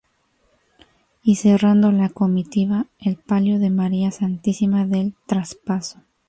Y cerrando la comitiva, el palio de María Santísima del Traspaso.